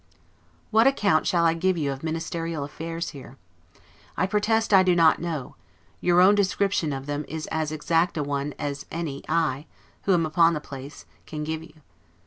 What account shall I give you of ministerial affairs here? I protest I do not know: your own description of them is as exact a one as any I, who am upon the place, can give you.